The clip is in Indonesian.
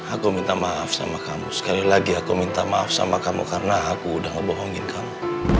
aku minta maaf sama kamu sekali lagi aku minta maaf sama kamu karena aku udah ngebohongin kamu